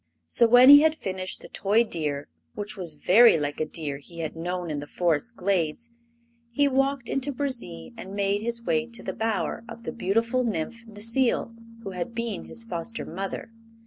So when he had finished the toy deer, which was very like a deer he had known in the Forest glades, he walked into Burzee and made his way to the bower of the beautiful Nymph Necile, who had been his foster mother.